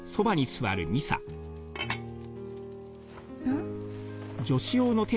ん？